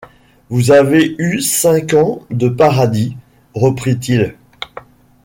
Vous avez eu cinq ans de paradis, reprit-il.